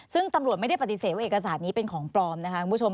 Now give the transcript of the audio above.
ซึ่งตำรวจไม่ได้ปฏิเสธว่าเอกสารนี้เป็นของปลอมนะคะคุณผู้ชม